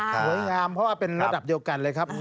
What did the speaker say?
สวยงามเพราะว่าเป็นระดับเดียวกันเลยครับ